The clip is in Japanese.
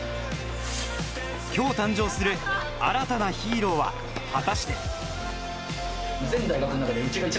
今日誕生する新たなヒーローは果たして。